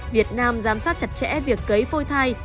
việt nam giám sát chặt chẽ việc cấy phôi thai